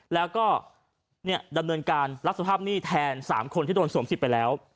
แล้วก็ดำเนินการรับสภาพหนี้แทน๓คนที่โดนสวมสิทธิ์ไปแล้ว